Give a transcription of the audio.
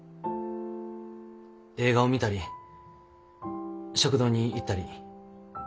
映画を見たり食堂に行ったり川を眺めたり。